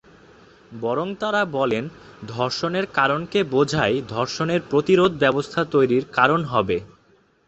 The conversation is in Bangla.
বরং তারা বলেন, ধর্ষণের কারণকে বোঝাই ধর্ষণের প্রতিরোধ ব্যবস্থা তৈরির কারণ হবে।